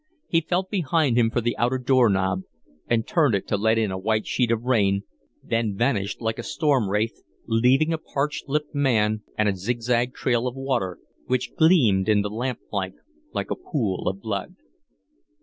He felt behind him for the outer door knob and turned it to let in a white sheet of rain, then vanished like a storm wraith, leaving a parched lipped man and a zigzag trail of water, which gleamed in the lamplight like a pool of blood.